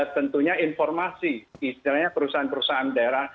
tentunya informasi istilahnya perusahaan perusahaan daerah